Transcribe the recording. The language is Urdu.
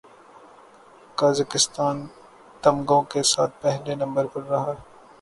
قازقستان تمغوں کے ساتھ پہلے نمبر پر رہا